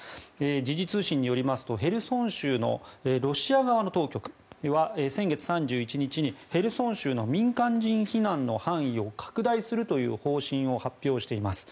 時事通信によりますとヘルソン州のロシア側の当局は先月３１日にヘルソン州の民間人避難の範囲を拡大するという方針を発表しています。